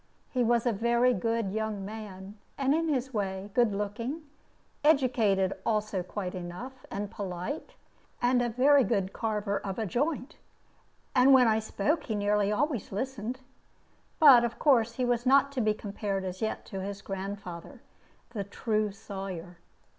He was a very good young man, and in his way good looking, educated also quite enough, and polite, and a very good carver of a joint; and when I spoke, he nearly always listened. But of course he was not to be compared as yet to his grandfather, the true Sawyer.